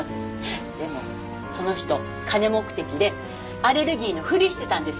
でもその人金目的でアレルギーのふりしてたんですよ。